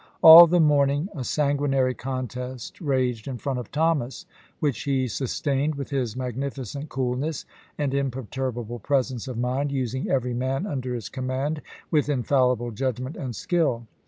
All the morning a san guinary contest raged in front of Thomas, which he sustained with his magnificent coolness and im perturbable presence of mind, using every man under his command with infallible judgment and skill.